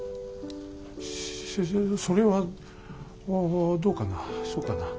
そそそそれはおどうかなそうかな。